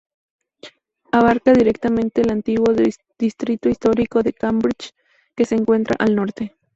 Abarca directamente el antiguo distrito histórico de Cambridge, que se encuentra al norte.